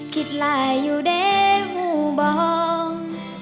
คิดไหลอยู่ได้หูบอก